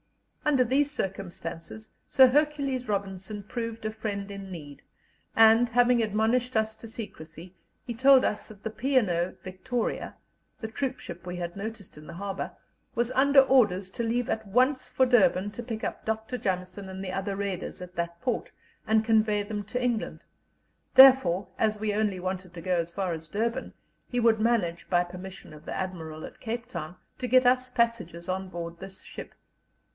Under these circumstances Sir Hercules Robinson proved a friend in need; and, having admonished us to secrecy, he told us that the P. and O. Victoria, the troopship we had noticed in the harbour, was under orders to leave at once for Durban to pick up Dr. Jameson and the other Raiders at that port; and convey them to England; therefore, as we only wanted to go as far as Durban, he would manage, by permission of the Admiral at Cape Town, to get us passages on board this ship.